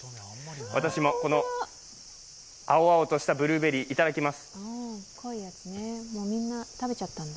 私もこの青々としたブルーベリーいただきます。